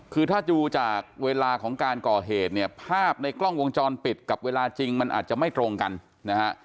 คือถ้าดูจากเวลาของการก่อเหตุเนี่ยภาพในกล้องวงจรปิดกับเวลาจริงมันอาจจะไม่ตรงกันนะฮะ